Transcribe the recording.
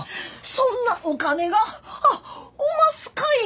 そんなお金があっおますかいな！